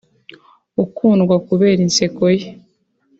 ukundwa kubera inseko ye